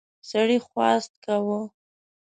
سړي خواست کاوه.